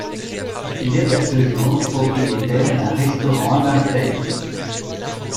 Il est à ce jour propriétaire d'un restaurant à Marseille.